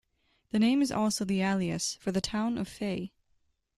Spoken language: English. The name is also the alias for the townland of Feigh.